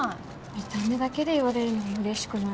見た目だけで言われるのうれしくない。